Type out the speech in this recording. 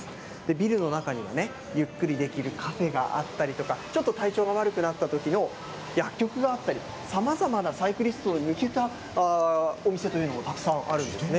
ビルの中にはゆっくりできるカフェがあったりとか、ちょっと体調が悪くなったときの薬局があったり、さまざまなサイクリストに向けたお店というのもたくさんあるんですね。